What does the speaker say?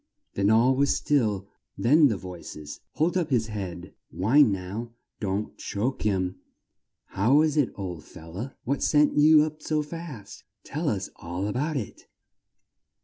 Then all was still, then the voices "Hold up his head Wine now Don't choke him How was it, old fel low? What sent you up so fast? Tell us all a bout it!"